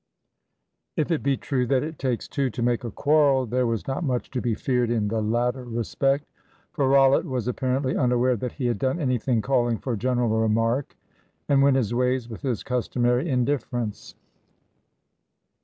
If it be true that it takes two to make a quarrel, there was not much to be feared in the latter respect. For Rollitt was apparently unaware that he had done anything calling for general remark, and went his ways with his customary indifference.